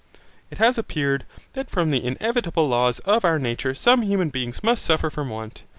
It has appeared, that from the inevitable laws of our nature some human beings must suffer from want.